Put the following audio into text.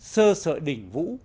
sơ sợi đỉnh vũ